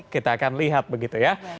kita akan lihat begitu ya